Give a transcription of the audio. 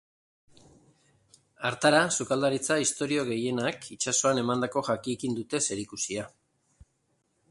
Hartara, sukaldaritza istorio gehienak itsasoak emandako jakiekin dute zerikusia.